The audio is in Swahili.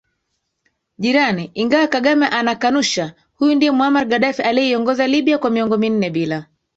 jirani ingawa Kagame anakanushaHuyu ndiye Muammar Gaddafi aliyeiongoza Libya kwa miongo minne bila